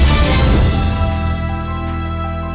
จะได้โบนัสกลับไปบ้านเถอะเลย